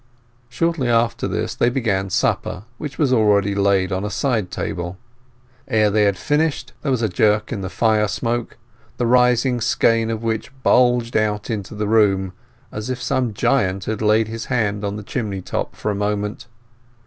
Shortly after this they began supper, which was already laid on a side table. Ere they had finished there was a jerk in the fire smoke, the rising skein of which bulged out into the room, as if some giant had laid his hand on the chimney top for a moment.